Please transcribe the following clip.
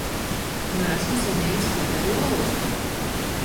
Neesmu saņēmis pēdējo algu.